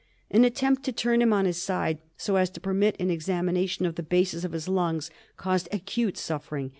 An attempt to turn him on his side so as to permit of an examination of the bases of his lungs caused acute suffering.